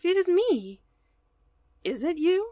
"It is me." "Is it you?"